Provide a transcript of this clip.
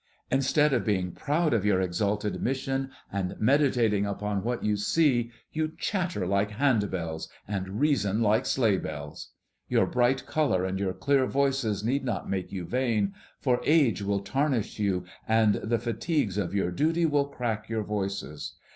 Instead of being proud of your exalted mission, and meditating upon what you see, you chatter like hand bells and reason like sleigh bells. Your bright color and your clear voices need not make you vain, for age will tarnish you and the fatigues of your duty will crack your voices.